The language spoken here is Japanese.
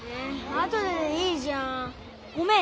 あとででいいじゃん。ごめん。